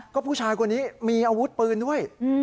ก็ผู้ชายคนนี้มีอาวุธปืนด้วย